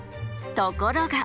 ところが。